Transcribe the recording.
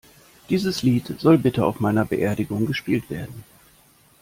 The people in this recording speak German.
Dieses Lied soll bitte auf meiner Beerdigung gespielt werden.